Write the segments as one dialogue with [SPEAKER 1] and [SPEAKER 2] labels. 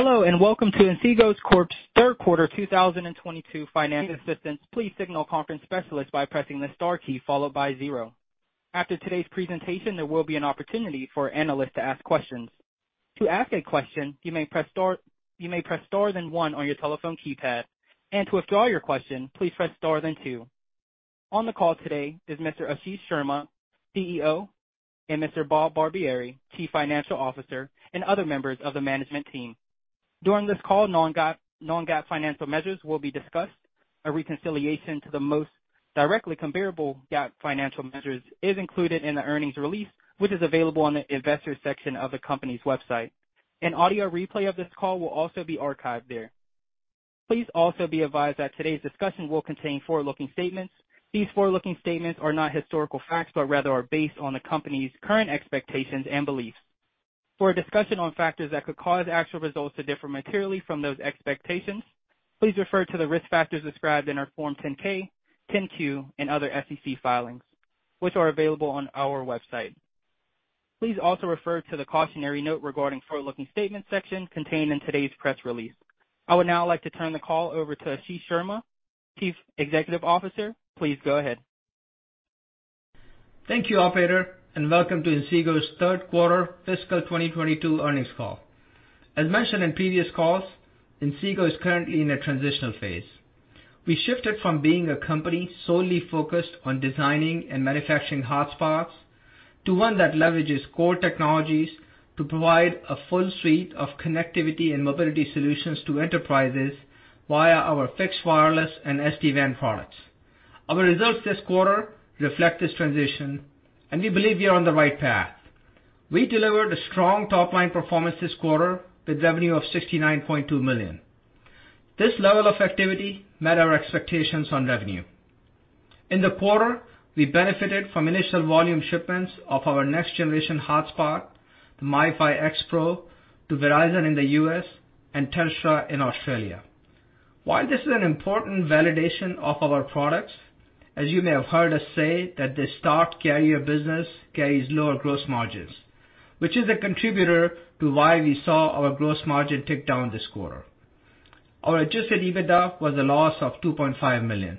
[SPEAKER 1] Hello, and welcome to Inseego Corp.'s third quarter 2022 financial results. Please contact the conference specialist by pressing the star key followed by zero. After today's presentation, there will be an opportunity for analysts to ask questions. To ask a question, you may press star then one on your telephone keypad. To withdraw your question, please press star then two. On the call today is Mr. Ashish Sharma, CEO, and Mr. Bob Barbieri, Chief Financial Officer, and other members of the management team. During this call, non-GAAP financial measures will be discussed. A reconciliation to the most directly comparable GAAP financial measures is included in the earnings release, which is available on the investor section of the company's website. An audio replay of this call will also be archived there. Please also be advised that today's discussion will contain forward-looking statements. These forward-looking statements are not historical facts, but rather are based on the company's current expectations and beliefs. For a discussion on factors that could cause actual results to differ materially from those expectations, please refer to the risk factors described in our Form 10-K, 10-Q, and other SEC filings, which are available on our website. Please also refer to the cautionary note regarding forward-looking statement section contained in today's press release. I would now like to turn the call over to Ashish Sharma, Chief Executive Officer. Please go ahead.
[SPEAKER 2] Thank you, operator, and welcome to Inseego's third quarter fiscal 2022 earnings call. As mentioned in previous calls, Inseego is currently in a transitional phase. We shifted from being a company solely focused on designing and manufacturing hotspots to one that leverages core technologies to provide a full suite of connectivity and mobility solutions to enterprises via our fixed wireless and SD-WAN products. Our results this quarter reflect this transition, and we believe we are on the right path. We delivered a strong top-line performance this quarter with revenue of $69.2 million. This level of activity met our expectations on revenue. In the quarter, we benefited from initial volume shipments of our next-generation hotspot, the MiFi X PRO, to Verizon in the U.S. and Telstra in Australia. While this is an important validation of our products, as you may have heard us say, that this start carrier business carries lower gross margins, which is a contributor to why we saw our gross margin tick down this quarter. Our adjusted EBITDA was a loss of $2.5 million.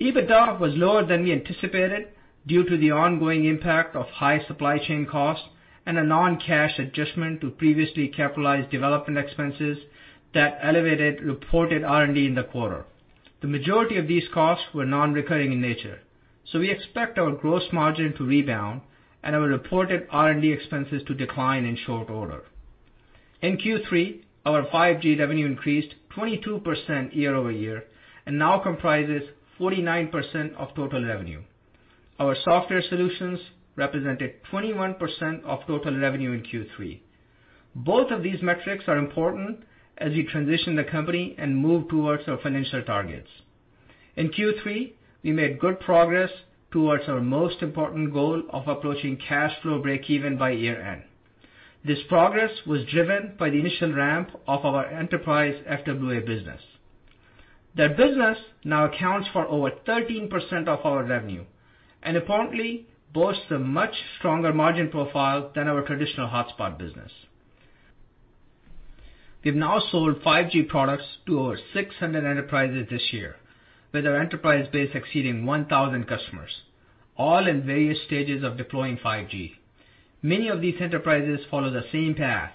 [SPEAKER 2] EBITDA was lower than we anticipated due to the ongoing impact of high supply chain costs and a non-cash adjustment to previously capitalized development expenses that elevated reported R&D in the quarter. The majority of these costs were non-recurring in nature. We expect our gross margin to rebound and our reported R&D expenses to decline in short order. In Q3, our 5G revenue increased 22% year-over-year and now comprises 49% of total revenue. Our software solutions represented 21% of total revenue in Q3. Both of these metrics are important as we transition the company and move towards our financial targets. In Q3, we made good progress towards our most important goal of approaching cash flow breakeven by year-end. This progress was driven by the initial ramp of our enterprise FWA business. That business now accounts for over 13% of our revenue and importantly, boasts a much stronger margin profile than our traditional hotspot business. We've now sold 5G products to over 600 enterprises this year, with our enterprise base exceeding 1,000 customers, all in various stages of deploying 5G. Many of these enterprises follow the same path,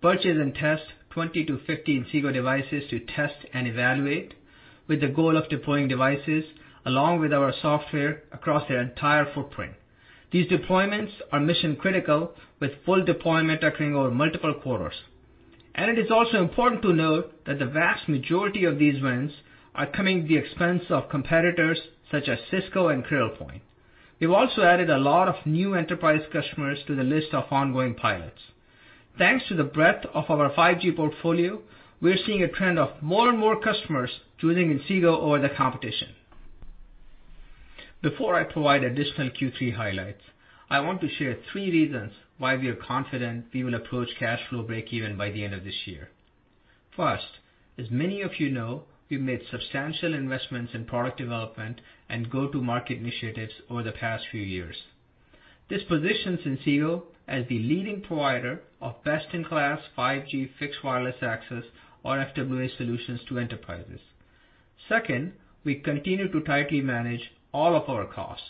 [SPEAKER 2] purchase and test 20-50 Inseego devices to test and evaluate, with the goal of deploying devices along with our software across their entire footprint. These deployments are mission-critical, with full deployment occurring over multiple quarters. It is also important to note that the vast majority of these wins are coming at the expense of competitors such as Cisco and Cradlepoint. We've also added a lot of new enterprise customers to the list of ongoing pilots. Thanks to the breadth of our 5G portfolio, we are seeing a trend of more and more customers choosing Inseego over the competition. Before I provide additional Q3 highlights, I want to share three reasons why we are confident we will approach cash flow breakeven by the end of this year. First, as many of you know, we've made substantial investments in product development and go-to-market initiatives over the past few years. This positions Inseego as the leading provider of best-in-class 5G fixed wireless access or FWA solutions to enterprises. Second, we continue to tightly manage all of our costs.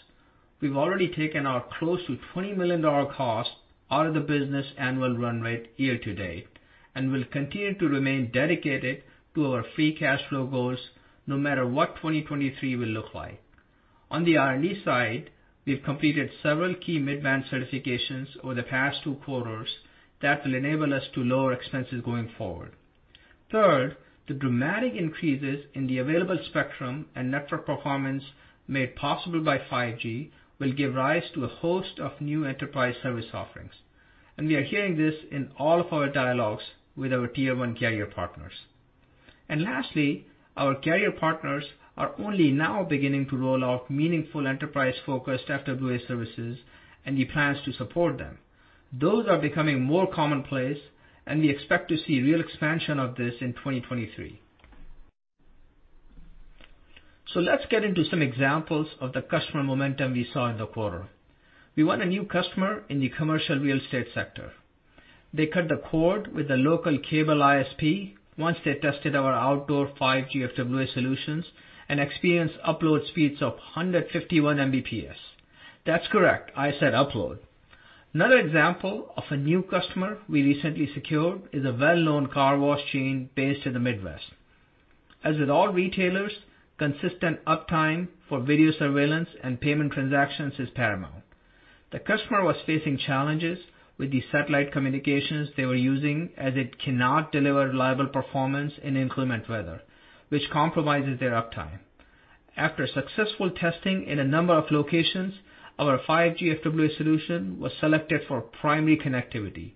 [SPEAKER 2] We've already taken our close to $20 million cost out of the business annual run rate year to date, and we'll continue to remain dedicated to our free cash flow goals no matter what 2023 will look like. On the R&D side, we've completed several key mid-band certifications over the past two quarters that will enable us to lower expenses going forward. Third, the dramatic increases in the available spectrum and network performance made possible by 5G will give rise to a host of new enterprise service offerings, and we are hearing this in all of our dialogues with our tier one carrier partners. Lastly, our carrier partners are only now beginning to roll out meaningful enterprise-focused FWA services and the plans to support them. Those are becoming more commonplace, and we expect to see real expansion of this in 2023. Let's get into some examples of the customer momentum we saw in the quarter. We won a new customer in the commercial real estate sector. They cut the cord with the local cable ISP once they tested our outdoor 5G FWA solutions and experienced upload speeds of 151 Mbps. That's correct, I said upload. Another example of a new customer we recently secured is a well-known car wash chain based in the Midwest. As with all retailers, consistent uptime for video surveillance and payment transactions is paramount. The customer was facing challenges with the satellite communications they were using as it cannot deliver reliable performance in inclement weather, which compromises their uptime. After successful testing in a number of locations, our 5G FWA solution was selected for primary connectivity,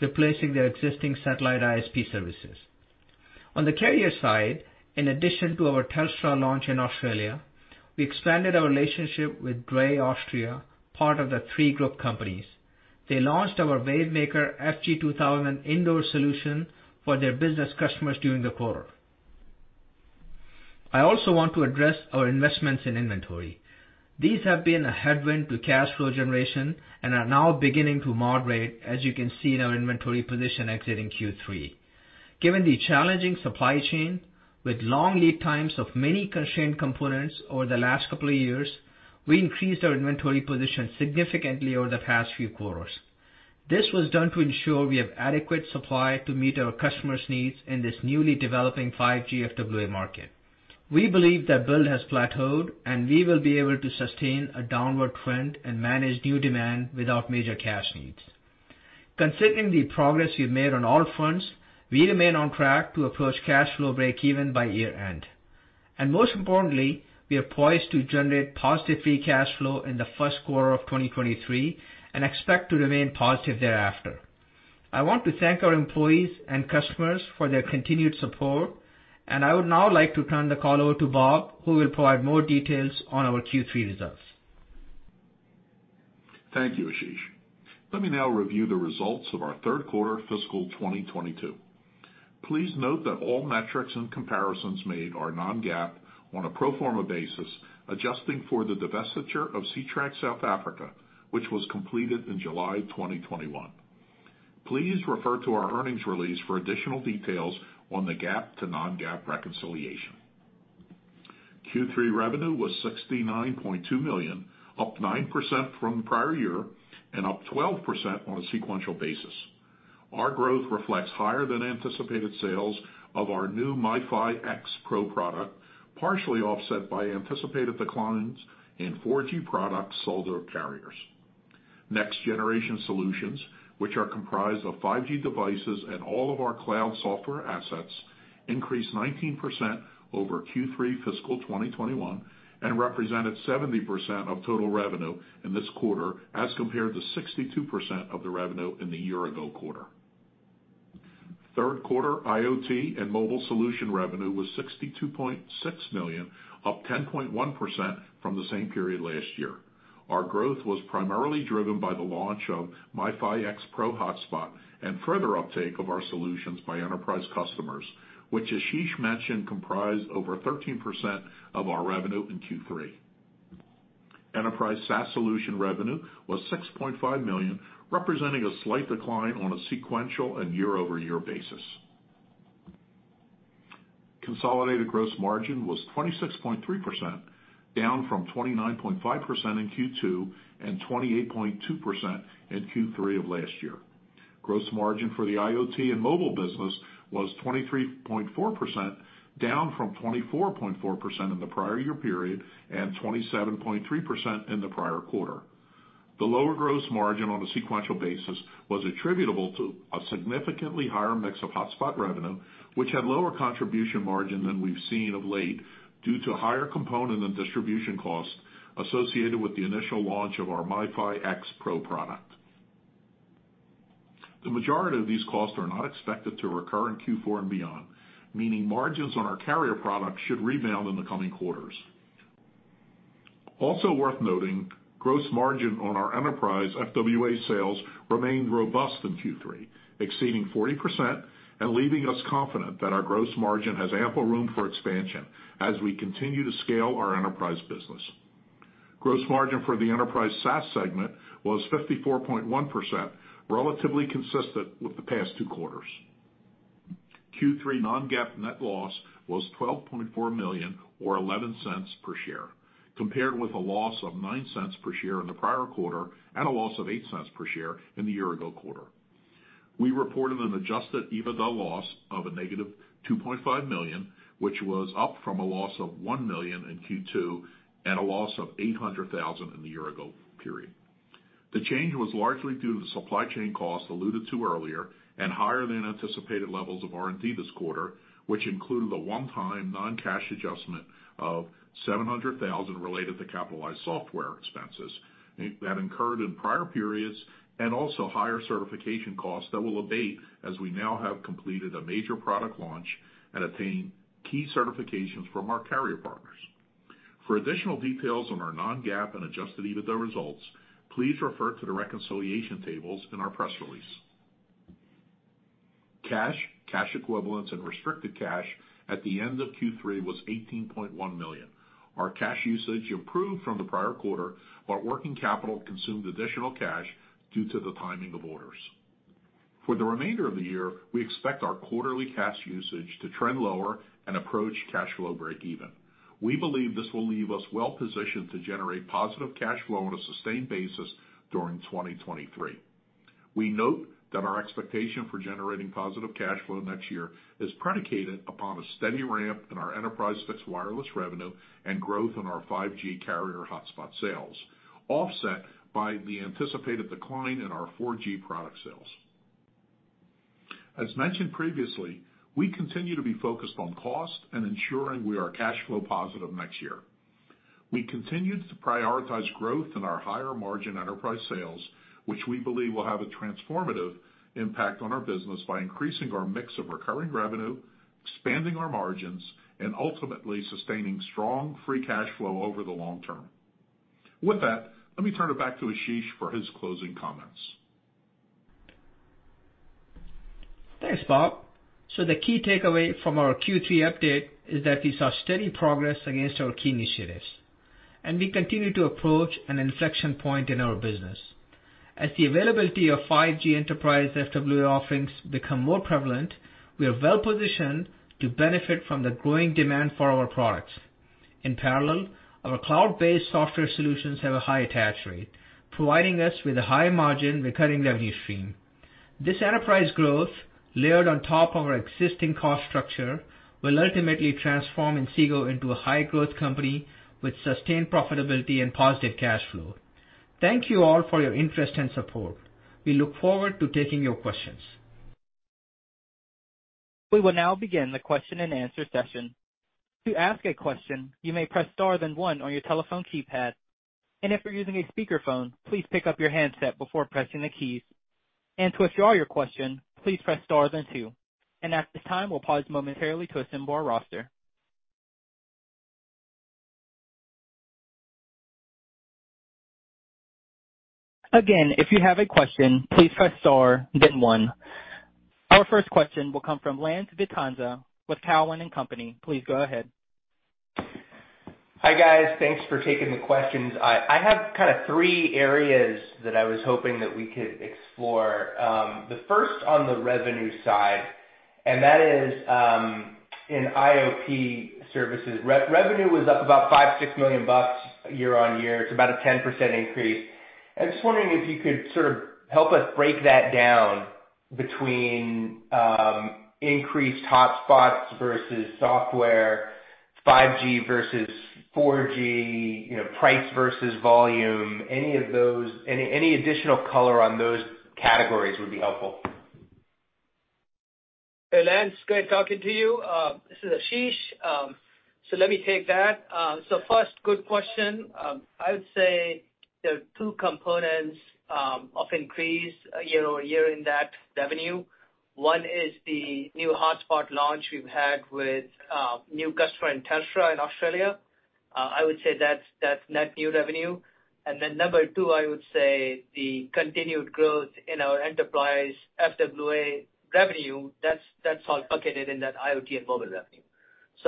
[SPEAKER 2] replacing their existing satellite ISP services. On the carrier side, in addition to our Telstra launch in Australia, we expanded our relationship with Drei Austria, part of the Three Group companies. They launched our Wavemaker FG2000 indoor solution for their business customers during the quarter. I also want to address our investments in inventory. These have been a headwind to cash flow generation and are now beginning to moderate, as you can see in our inventory position exiting Q3. Given the challenging supply chain with long lead times of many constrained components over the last couple of years, we increased our inventory position significantly over the past few quarters. This was done to ensure we have adequate supply to meet our customers' needs in this newly developing 5G FWA market. We believe that build has plateaued, and we will be able to sustain a downward trend and manage new demand without major cash needs. Considering the progress we've made on all fronts, we remain on track to approach cash flow breakeven by year-end. Most importantly, we are poised to generate positive free cash flow in the first quarter of 2023 and expect to remain positive thereafter. I want to thank our employees and customers for their continued support, and I would now like to turn the call over to Bob, who will provide more details on our Q3 results.
[SPEAKER 3] Thank you, Ashish. Let me now review the results of our third quarter fiscal 2022. Please note that all metrics and comparisons made are non-GAAP on a pro forma basis, adjusting for the divestiture of Ctrack South Africa, which was completed in July 2021. Please refer to our earnings release for additional details on the GAAP to non-GAAP reconciliation. Q3 revenue was $69.2 million, up 9% from the prior year and up 12% on a sequential basis. Our growth reflects higher than anticipated sales of our new MiFi X PRO product, partially offset by anticipated declines in 4G products sold to our carriers. Next generation solutions, which are comprised of 5G devices and all of our cloud software assets, increased 19% over Q3 fiscal 2021 and represented 70% of total revenue in this quarter as compared to 62% of the revenue in the year ago quarter. Third quarter IoT and mobile solution revenue was $62.6 million, up 10.1% from the same period last year. Our growth was primarily driven by the launch of MiFi X PRO hotspot and further uptake of our solutions by enterprise customers, which Ashish mentioned comprise over 13% of our revenue in Q3. Enterprise SaaS solution revenue was $6.5 million, representing a slight decline on a sequential and year-over-year basis. Consolidated gross margin was 26.3%, down from 29.5% in Q2 and 28.2% in Q3 of last year. Gross margin for the IoT and mobile business was 23.4%, down from 24.4% in the prior year period and 27.3% in the prior quarter. The lower gross margin on a sequential basis was attributable to a significantly higher mix of hotspot revenue, which had lower contribution margin than we've seen of late due to higher component and distribution costs associated with the initial launch of our MiFi X PRO product. The majority of these costs are not expected to recur in Q4 and beyond, meaning margins on our carrier products should rebound in the coming quarters. Also worth noting, gross margin on our enterprise FWA sales remained robust in Q3, exceeding 40% and leaving us confident that our gross margin has ample room for expansion as we continue to scale our enterprise business. Gross margin for the enterprise SaaS segment was 54.1%, relatively consistent with the past two quarters. Q3 non-GAAP net loss was $12.4 million or $0.11 per share, compared with a loss of $0.09 per share in the prior quarter and a loss of $0.08 per share in the year ago quarter. We reported an adjusted EBITDA loss of -$2.5 million, which was up from a loss of $1 million in Q2 and a loss of $800,000 in the year ago period. The change was largely due to the supply chain costs alluded to earlier and higher than anticipated levels of R&D this quarter, which included a one-time non-cash adjustment of $700,000 related to capitalized software expenses that incurred in prior periods and also higher certification costs that will abate as we now have completed a major product launch and obtained key certifications from our carrier partners. For additional details on our non-GAAP and adjusted EBITDA results, please refer to the reconciliation tables in our press release. Cash, cash equivalents, and restricted cash at the end of Q3 was $18.1 million. Our cash usage improved from the prior quarter, but working capital consumed additional cash due to the timing of orders. For the remainder of the year, we expect our quarterly cash usage to trend lower and approach cash flow breakeven. We believe this will leave us well-positioned to generate positive cash flow on a sustained basis during 2023. We note that our expectation for generating positive cash flow next year is predicated upon a steady ramp in our enterprise fixed wireless revenue and growth in our 5G carrier hotspot sales, offset by the anticipated decline in our 4G product sales. As mentioned previously, we continue to be focused on cost and ensuring we are cash flow positive next year. We continue to prioritize growth in our higher margin enterprise sales, which we believe will have a transformative impact on our business by increasing our mix of recurring revenue, expanding our margins, and ultimately sustaining strong free cash flow over the long term. With that, let me turn it back to Ashish for his closing comments.
[SPEAKER 2] Thanks, Bob. The key takeaway from our Q3 update is that we saw steady progress against our key initiatives, and we continue to approach an inflection point in our business. As the availability of 5G enterprise FWA offerings become more prevalent, we are well-positioned to benefit from the growing demand for our products. In parallel, our cloud-based software solutions have a high attach rate, providing us with a high margin recurring revenue stream. This enterprise growth, layered on top of our existing cost structure, will ultimately transform Inseego into a high growth company with sustained profitability and positive cash flow. Thank you all for your interest and support. We look forward to taking your questions.
[SPEAKER 1] We will now begin the question and answer session. To ask a question, you may press star then one on your telephone keypad. If you're using a speakerphone, please pick up your handset before pressing the keys. To withdraw your question, please press star then two. At this time, we'll pause momentarily to assemble our roster. Again, if you have a question, please press star then one. Our first question will come from Lance Vitanza with Cowen and Company. Please go ahead.
[SPEAKER 4] Hi, guys. Thanks for taking the questions. I have kinda three areas that I was hoping that we could explore. The first on the revenue side, that is, in IoT services. Revenue was up about $5 million-$6 million year-on-year. It's about a 10% increase. I'm just wondering if you could sort of help us break that down between increased hotspots versus software, 5G versus 4G, you know, price versus volume. Any additional color on those categories would be helpful.
[SPEAKER 2] Hey, Lance. Great talking to you. This is Ashish. Let me take that. First, good question. I would say there are two components of increase year-over-year in that revenue. One is the new hotspot launch we've had with new customer in Telstra in Australia. I would say that's net new revenue. Number two, I would say the continued growth in our enterprise FWA revenue, that's all bucketed in that IoT and mobile revenue.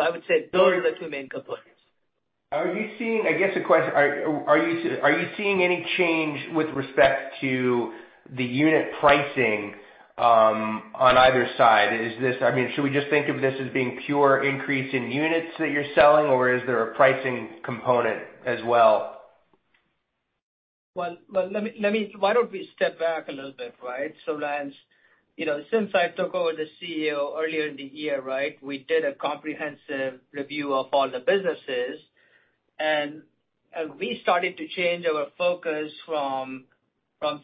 [SPEAKER 2] I would say those are the two main components.
[SPEAKER 4] I guess the question, are you seeing any change with respect to the unit pricing on either side? Is this, I mean, should we just think of this as being pure increase in units that you're selling, or is there a pricing component as well?
[SPEAKER 2] Why don't we step back a little bit, right? Lance, you know, since I took over as the CEO earlier in the year, right, we did a comprehensive review of all the businesses. We started to change our focus from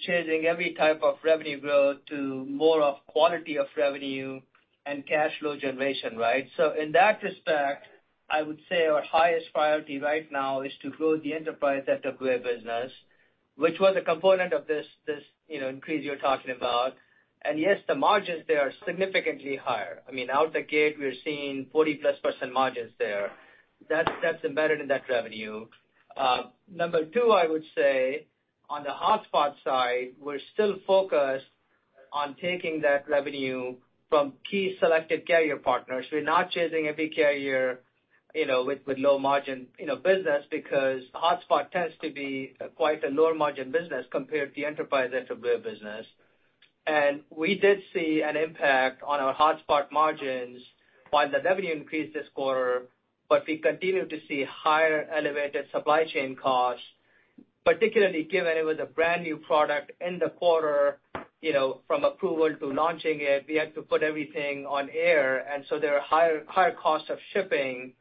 [SPEAKER 2] chasing every type of revenue growth to more of quality of revenue and cash flow generation, right? In that respect, I would say our highest priority right now is to grow the enterprise FWA business, which was a component of this, you know, increase you're talking about. Yes, the margins there are significantly higher. I mean, out the gate, we're seeing 40%+ margins there. That's embedded in that revenue. Number two, I would say on the hotspot side, we're still focused on taking that revenue from key selected carrier partners. We're not chasing every carrier, you know, with low margin, you know, business, because hotspot tends to be quite a lower margin business compared to enterprise FWA business. We did see an impact on our hotspot margins while the revenue increased this quarter, but we continued to see higher elevated supply chain costs, particularly given it was a brand-new product in the quarter, you know, from approval to launching it, we had to put everything on air. There are higher costs of shipping,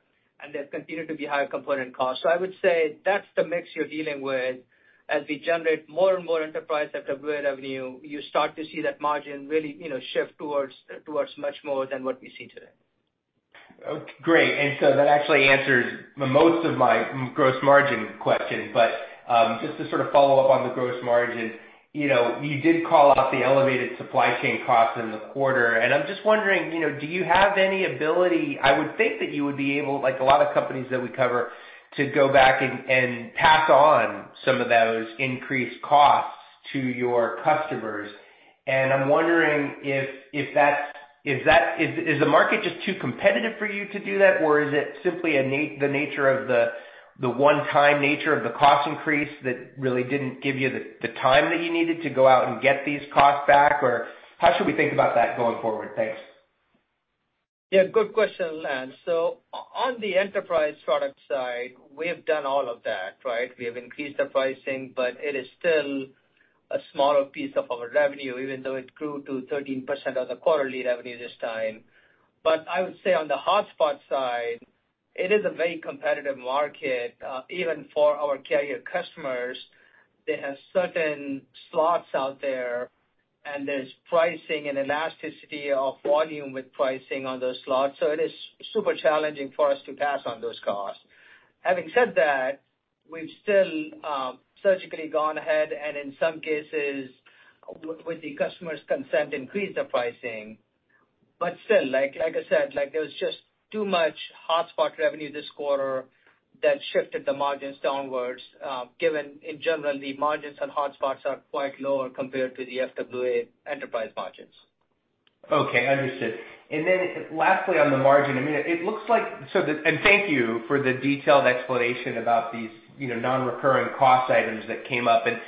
[SPEAKER 2] and there continued to be higher component costs. I would say that's the mix you're dealing with. As we generate more and more enterprise FWA revenue, you start to see that margin really, you know, shift towards much more than what we see today.
[SPEAKER 4] Great. That actually answers most of my gross margin question. Just to sort of follow up on the gross margin, you know, you did call out the elevated supply chain costs in the quarter, and I'm just wondering, you know, do you have any ability? I would think that you would be able, like a lot of companies that we cover, to go back and pass on some of those increased costs to your customers. I'm wondering if that's the market just too competitive for you to do that? Or is it simply the nature of the one-time nature of the cost increase that really didn't give you the time that you needed to go out and get these costs back? Or how should we think about that going forward? Thanks.
[SPEAKER 2] Yeah, good question, Lance. On the enterprise product side, we have done all of that, right? We have increased the pricing, but it is still a smaller piece of our revenue, even though it grew to 13% of the quarterly revenue this time. I would say on the hotspot side, it is a very competitive market, even for our carrier customers. They have certain slots out there, and there's pricing and elasticity of volume with pricing on those slots. It is super challenging for us to pass on those costs. Having said that, we've still surgically gone ahead and in some cases, with the customer's consent, increased the pricing. Still, like I said, there was just too much hotspot revenue this quarter that shifted the margins downwards, given in general, the margins on hotspots are quite lower compared to the FWA enterprise margins.
[SPEAKER 4] Okay, understood. Lastly, on the margin. Thank you for the detailed explanation about these, you know, non-recurring cost items that came up, and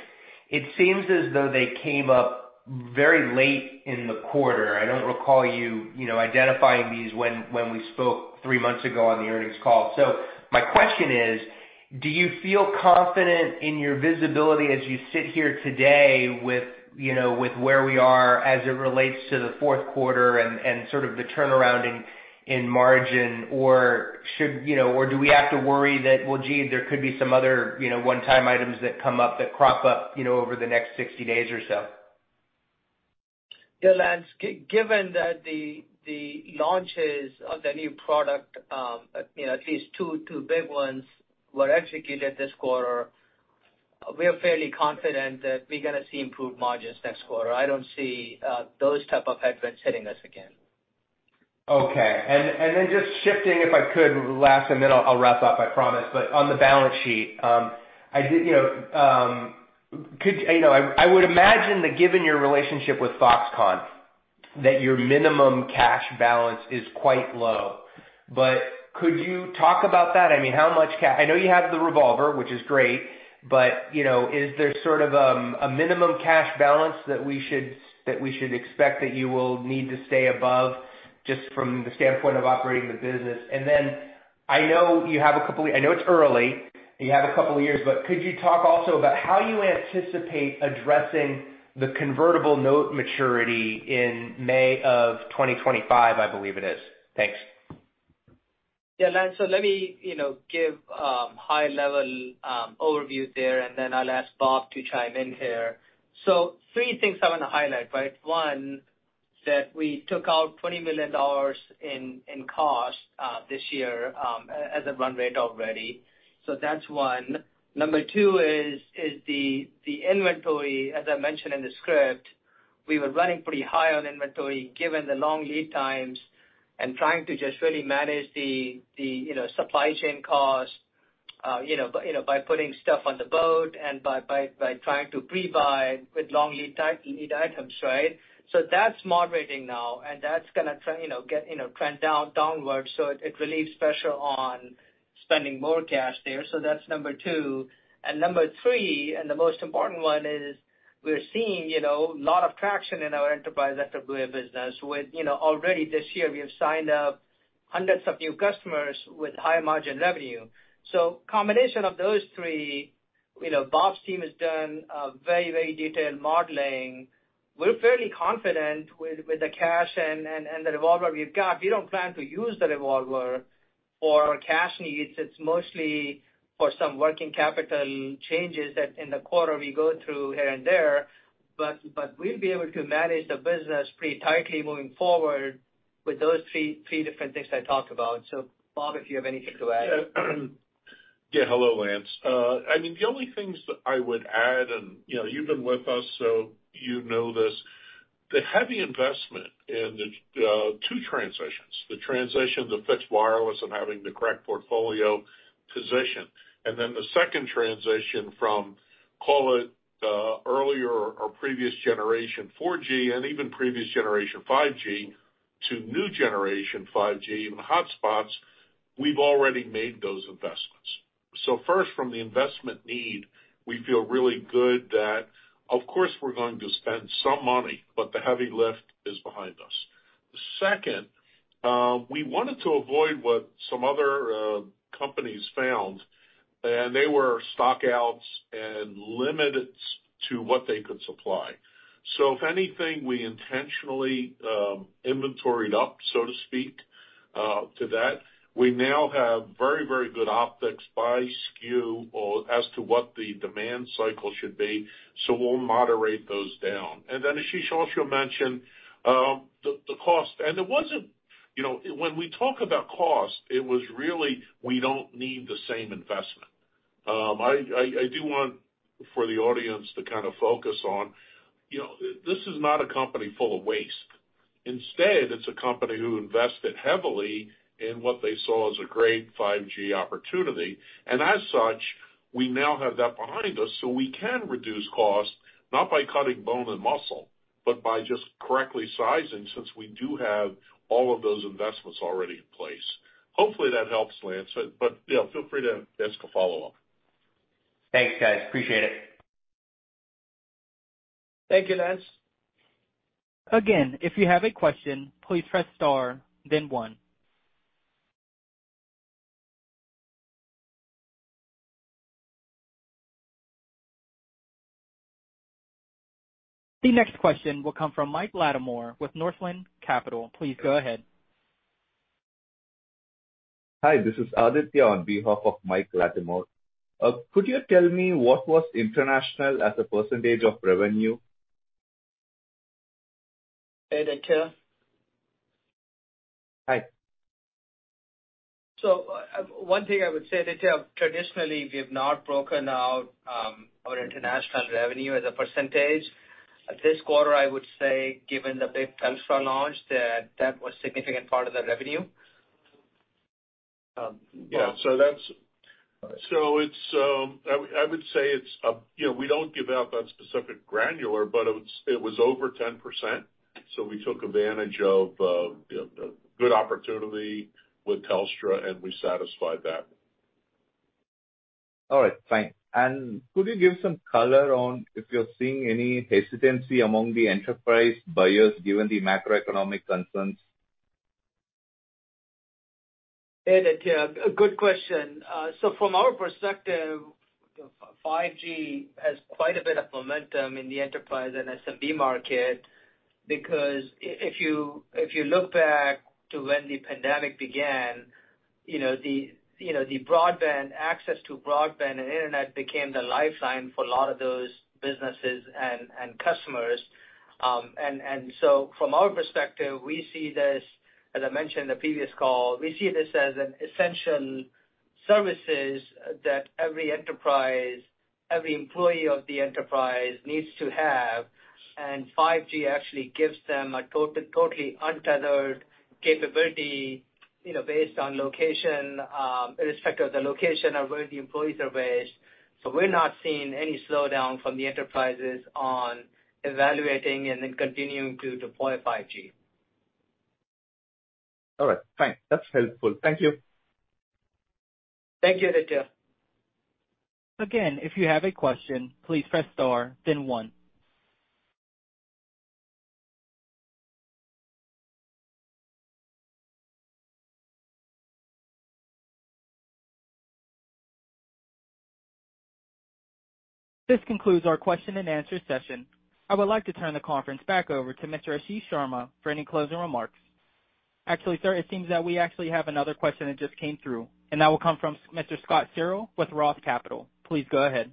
[SPEAKER 4] it seems as though they came up very late in the quarter. I don't recall you know, identifying these when we spoke three months ago on the earnings call. My question is, do you feel confident in your visibility as you sit here today with, you know, with where we are as it relates to the fourth quarter and sort of the turnaround in margin? Or do we have to worry that, well, gee, there could be some other, you know, one-time items that come up, that crop up, you know, over the next 60 days or so?
[SPEAKER 2] Yeah, Lance, given that the launches of the new product, you know, at least two big ones were executed this quarter, we are fairly confident that we're gonna see improved margins next quarter. I don't see those type of headwinds hitting us again.
[SPEAKER 4] Okay. Then just shifting, if I could last, and then I'll wrap up, I promise. On the balance sheet, you know, I would imagine that given your relationship with Foxconn, that your minimum cash balance is quite low. Could you talk about that? I mean, I know you have the revolver, which is great, but, you know, is there sort of a minimum cash balance that we should expect that you will need to stay above just from the standpoint of operating the business? I know it's early, you have a couple of years, but could you talk also about how you anticipate addressing the convertible note maturity in May of 2025, I believe it is. Thanks.
[SPEAKER 2] Yeah, Lance. Let me, you know, give a high level overview there, and then I'll ask Bob to chime in here. Three things I wanna highlight, right? One, that we took out $20 million in cost this year as a run rate already. That's one. Number two is the inventory, as I mentioned in the script, we were running pretty high on inventory given the long lead times and trying to just really manage the you know, supply chain costs, you know, by you know, by putting stuff on the boat and by trying to pre-buy with long lead items, right? That's moderating now, and that's gonna trend downwards. It relieves pressure on spending more cash there. That's number two. Number three, and the most important one is we're seeing, you know, lot of traction in our enterprise FWA business with, you know, already this year, we have signed up hundreds of new customers with high margin revenue. Combination of those three, you know, Bob's team has done a very, very detailed modeling. We're fairly confident with the cash and the revolver we've got. We don't plan to use the revolver for cash needs. It's mostly for some working capital changes that in the quarter we go through here and there. But we'll be able to manage the business pretty tightly moving forward with those three different things I talked about. Bob, if you have anything to add.
[SPEAKER 3] Yeah. Yeah, hello, Lance. I mean, the only things that I would add, and, you know, you've been with us, so you know this. The heavy investment in the two transitions, the transition to fixed wireless and having the correct portfolio position. Then the second transition from, call it, earlier or previous generation 4G and even previous generation 5G to new generation 5G in hotspots, we've already made those investments. First, from the investment need, we feel really good that, of course, we're going to spend some money, but the heavy lift is behind us. Second, we wanted to avoid what some other companies found, and they were stockouts and limited to what they could supply. If anything, we intentionally inventoried up, so to speak, to that. We now have very, very good optics by SKU or as to what the demand cycle should be, so we'll moderate those down. Then as Ashish also mentioned, the cost. It wasn't, you know. When we talk about cost, it was really, we don't need the same investment. I do want for the audience to kind of focus on. You know, this is not a company full of waste. Instead, it's a company who invested heavily in what they saw as a great 5G opportunity. As such, we now have that behind us, so we can reduce costs, not by cutting bone and muscle, but by just correctly sizing, since we do have all of those investments already in place. Hopefully, that helps, Lance. But, you know, feel free to ask a follow-up.
[SPEAKER 4] Thanks, guys. Appreciate it.
[SPEAKER 2] Thank you, Lance.
[SPEAKER 1] Again, if you have a question, please press star then one. The next question will come from Mike Latimore with Northland Capital. Please go ahead.
[SPEAKER 5] Hi, this is Aditya on behalf of Mike Latimore. Could you tell me what was international as a percentage of revenue?
[SPEAKER 2] Hey, Aditya.
[SPEAKER 5] Hi.
[SPEAKER 2] One thing I would say, Aditya, traditionally, we have not broken out our international revenue as a percentage. This quarter, I would say, given the big Telstra launch, that was significant part of the revenue.
[SPEAKER 3] Yeah.I would say it's, you know, we don't give out that specific granularity, but it was over 10%, so we took advantage of, you know, the good opportunity with Telstra, and we satisfied that.
[SPEAKER 5] All right. Fine. Could you give some color on if you're seeing any hesitancy among the enterprise buyers given the macroeconomic concerns?
[SPEAKER 2] Hey, Aditya. A good question. So from our perspective, 5G has quite a bit of momentum in the enterprise and SMB market because if you look back to when the pandemic began, you know, access to broadband and internet became the lifeline for a lot of those businesses and customers. From our perspective, we see this, as I mentioned the previous call, we see this as an essential services that every enterprise, every employee of the enterprise needs to have, and 5G actually gives them a totally untethered capability, you know, based on location, irrespective of the location of where the employees are based. So we're not seeing any slowdown from the enterprises on evaluating and then continuing to deploy 5G.
[SPEAKER 5] All right. Fine. That's helpful. Thank you.
[SPEAKER 2] Thank you, Aditya.
[SPEAKER 1] Again, if you have a question, please press star then one. This concludes our question and answer session. I would like to turn the conference back over to Mr. Ashish Sharma for any closing remarks. Actually, sir, it seems that we actually have another question that just came through, and that will come from Mr. Scott Searle with Roth Capital. Please go ahead.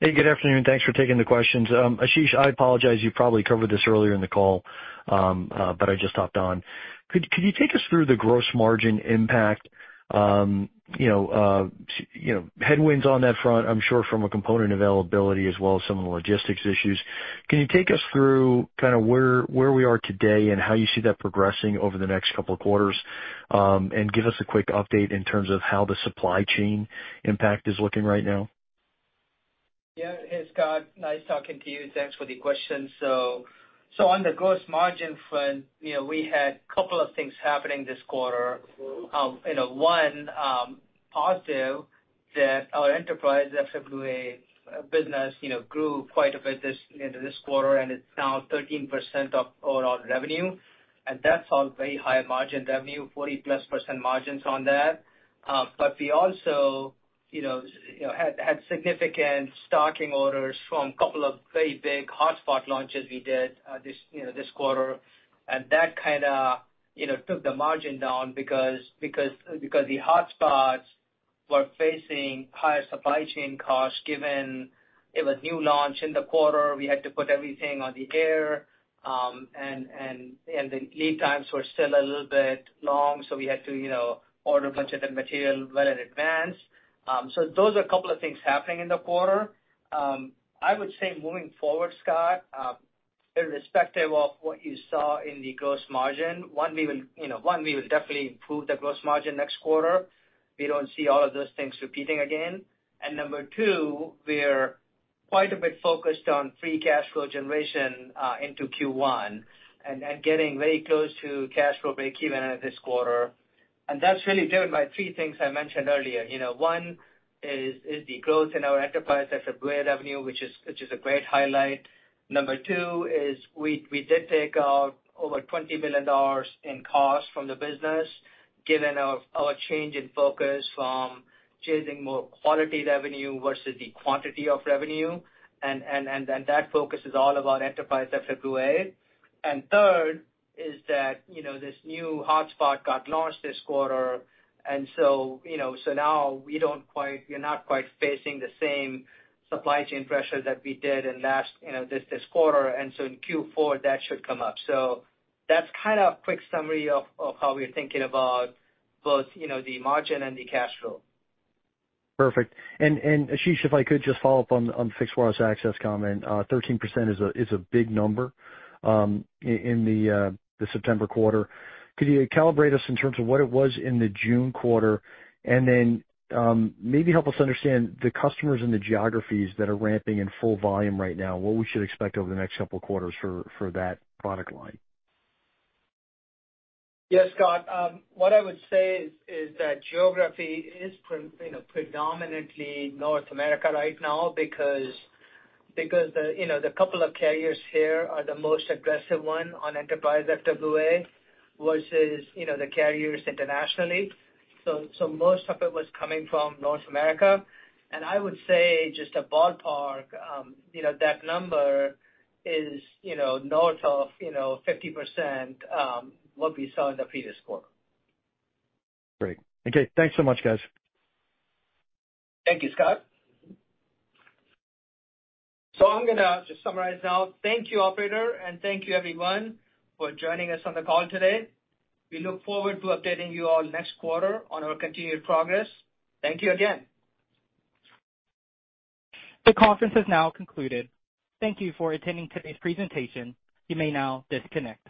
[SPEAKER 6] Hey, good afternoon. Thanks for taking the questions. Ashish, I apologize, you probably covered this earlier in the call. But I just hopped on. Could you take us through the gross margin impact, you know, headwinds on that front, I'm sure from a component availability as well as some of the logistics issues. Can you take us through where we are today and how you see that progressing over the next couple of quarters, and give us a quick update in terms of how the supply chain impact is looking right now?
[SPEAKER 2] Yeah. Hey, Scott. Nice talking to you. Thanks for the question. On the gross margin front, you know, we had couple of things happening this quarter. You know, one positive that our enterprise FWA business, you know, grew quite a bit this quarter, and it's now 13% of overall revenue. And that's all very high-margin revenue, 40-plus% margins on that. But we also, you know, had significant stocking orders from couple of very big hotspot launches we did this quarter. And that kinda, you know, took the margin down because the hotspots were facing higher supply chain costs given it was new launch in the quarter, we had to put everything on the air. The lead times were still a little bit long, so we had to, you know, order a bunch of the material well in advance. Those are a couple of things happening in the quarter. I would say moving forward, Scott, irrespective of what you saw in the gross margin, one, we will, you know, definitely improve the gross margin next quarter. We don't see all of those things repeating again. Number two, we're quite a bit focused on free cash flow generation into Q1 and getting very close to cash flow breakeven at this quarter. That's really driven by three things I mentioned earlier. You know, one is the growth in our enterprise FWA revenue, which is a great highlight. Number two is we did take out over $20 million in cost from the business given our change in focus from chasing more quality revenue versus the quantity of revenue. Then that focus is all about enterprise FWA. Third is that, you know, this new hotspot got launched this quarter, and so, you know, now we're not quite facing the same supply chain pressure that we did in last, you know, this quarter. In Q4, that should come up. That's kind of quick summary of how we're thinking about both, you know, the margin and the cash flow.
[SPEAKER 6] Perfect. Ashish, if I could just follow up on fixed wireless access comment. 13% is a big number in the September quarter. Could you calibrate us in terms of what it was in the June quarter? Maybe help us understand the customers and the geographies that are ramping in full volume right now, what we should expect over the next couple quarters for that product line.
[SPEAKER 2] Yes, Scott. What I would say is that geography is you know, predominantly North America right now because you know, the couple of carriers here are the most aggressive one on enterprise FWA versus, you know, the carriers internationally. So most of it was coming from North America. I would say, just a ballpark, you know, that number is, you know, north of, you know, 50%, what we saw in the previous quarter.
[SPEAKER 6] Great. Okay. Thanks so much, guys.
[SPEAKER 2] Thank you, Scott. I'm gonna just summarize now. Thank you, operator, and thank you everyone for joining us on the call today. We look forward to updating you all next quarter on our continued progress. Thank you again.
[SPEAKER 1] The conference has now concluded. Thank you for attending today's presentation. You may now disconnect.